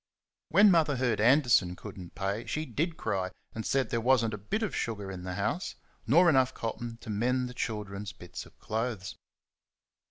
When Mother heard Anderson could n't pay, she DID cry, and said there was n't a bit of sugar in the house, nor enough cotton to mend the children's bits of clothes.